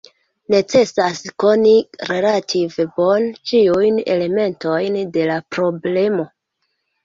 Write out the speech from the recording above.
Necesas koni relative bone ĉiujn elementojn de la problemo.